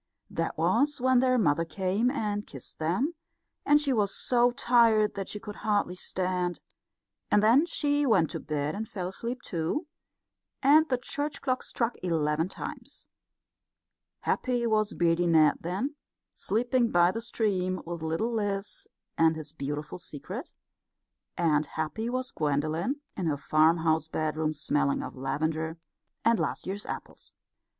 That was when their mother came and kissed them, and she was so tired that she could hardly stand; and then she went to bed and fell asleep too, and the church clock struck eleven times. Happy was Beardy Ned then, sleeping by the stream, with little Liz and his beautiful secret; and happy was Gwendolen in her farmhouse bedroom smelling of lavender and last year's apples.